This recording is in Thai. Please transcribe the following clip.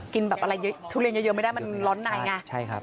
กินแบบอะไรทุเรียนเยอะไม่ได้มันร้อนในไง